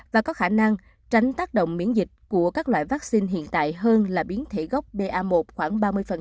và có khả năng tránh tác động miễn dịch của các loại vaccine hiện tại hơn là biến thể gốc ba khoảng ba mươi